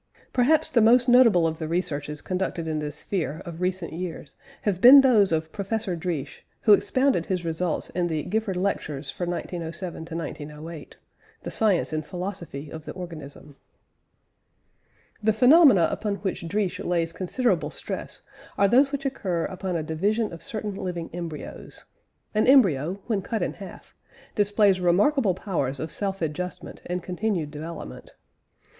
Perhaps the most notable of the researches conducted in this sphere, of recent years, have been those of Professor Driesch, who expounded his results in the Gifford Lectures for 1907 1908 (The Science and Philosophy of the Organism). The phenomena upon which Driesch lays considerable stress are those which occur upon a division of certain living embryos. An embryo, when cut in half, displays remarkable powers of self adjustment and continued development.